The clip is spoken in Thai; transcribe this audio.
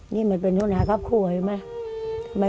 ไม่อยากให้แม่หนูจากไป